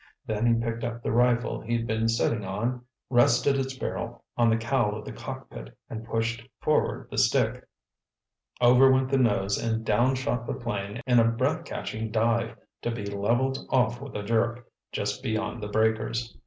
Then he picked up the rifle he'd been sitting on, rested its barrel on the cowl of the cockpit and pushed forward the stick. Over went the nose and down shot the plane in a breath catching dive to be leveled off with a jerk, just beyond the breakers.